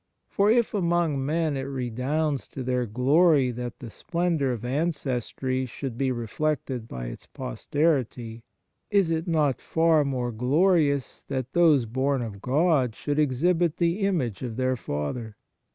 For if among men it redounds to their glory that the splendour of ancestry should be reflected by its pos terity, is it not far more glorious that those born of God should exhibit the image of their Father